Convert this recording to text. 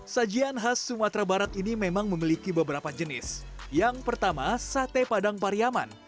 sajian khas sumatera barat ini memang memiliki beberapa jenis yang pertama sate padang pariyaman